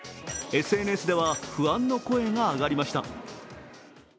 ＳＮＳでは不安の声が上がりました。